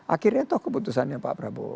akhirnya toh keputusannya pak prabowo